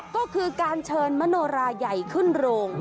ก็คือการเชิญมโนราใหญ่ขึ้นโรง